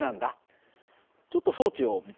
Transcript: ちょっと装置を見てみようね。